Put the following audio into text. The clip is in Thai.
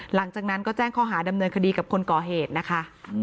หลังจากนั้นก็แจ้งข้อหาดำเนินคดีกับคนก่อเหตุนะคะ